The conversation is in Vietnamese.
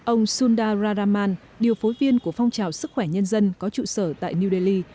ông sundararaman điều phối viên của phong trào sức khỏe nhân dân có trụ sở tại new delhi